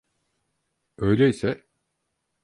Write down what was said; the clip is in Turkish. Öyleyse?